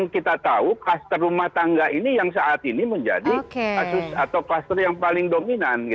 kita tahu kluster rumah tangga ini yang saat ini menjadi kasus atau kluster yang paling dominan